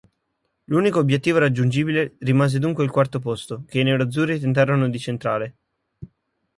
L'unico obiettivo raggiungibile rimase dunque il quarto posto, che i nerazzurri tentarono di centrare.